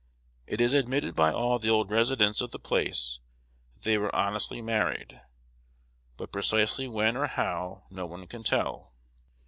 It is admitted by all the old residents of the place that they were honestly married, but precisely when or how no one can tell.